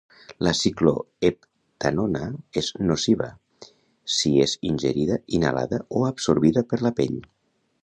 La cicloheptanona és nociva si és ingerida, inhalada o absorbida per la pell.